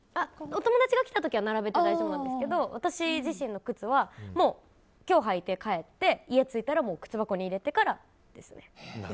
お友達が来た時は並べて大丈夫なんですけど私自身の靴は今日履いて帰って家に着いたら靴箱に入れてからですね。